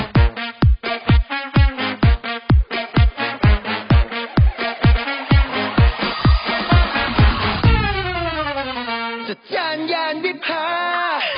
เจ้าจ้านยานวิภา